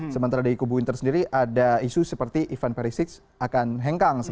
sementara di kubu inter sendiri ada isu seperti ivan perisic akan hengkang